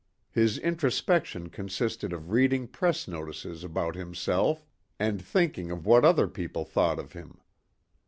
His introspection consisted of reading press notices about himself and thinking of what other people thought of him.